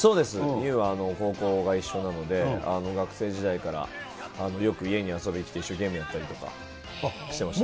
優は高校が一緒なので、学生時代から、よく家に遊びに来て、一緒にゲームやったりとかしてました。